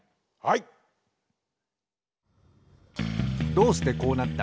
どうしてこうなった？